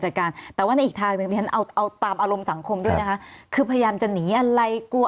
จัดการแต่ว่าในอีกทางหนึ่งที่ฉันเอาเอาตามอารมณ์สังคมด้วยนะคะคือพยายามจะหนีอะไรกลัว